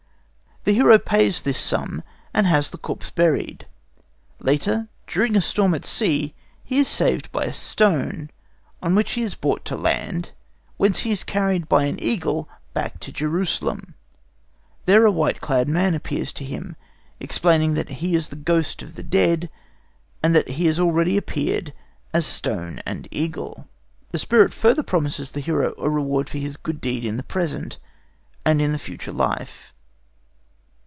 The hero pays this sum, and has the corpse buried. Later, during a storm at sea he is saved by a stone, on which he is brought to land, whence he is carried by an eagle back to Jerusalem. There a white clad man appears to him, explaining that he is the ghost of the dead, and that he has already appeared as stone and eagle. The spirit further promises the hero a reward for his good deed in the present and in the future life."